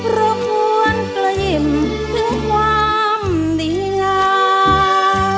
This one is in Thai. เราควรกลยิ้มถึงความดีงาม